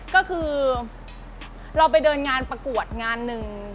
ก็คือเราไปเดินงานประกวดงานหนึ่ง